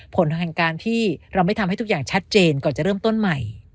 ผลทางการที่เราไม่ทำให้ทุกอย่างชัดเจนก่อนจะเริ่มต้นใหม่